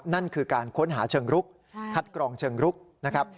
นั่นคือการค้นหาเชิงรุกคัดกรองเชิงรุกนะครับ